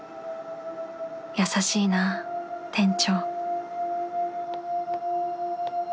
優しいな店長